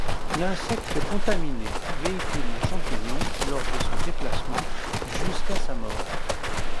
L'insecte contaminé véhicule le champignon lors de son déplacement jusqu'à sa mort.